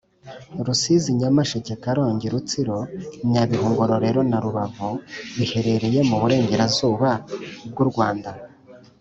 Rusizi Nyamasheke Karongi Rutsiro nyabihu ngororero na rubavu biherereye muburengera zuba bw u rwanda